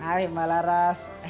hai mbak laras